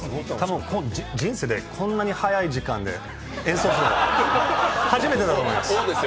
人生でこんなに早い時間で演奏するの初めてだと思います。